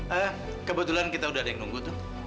ah kebetulan kita udah ada yang nunggu tuh